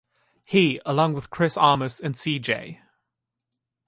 He, along with Chris Armas and C. J.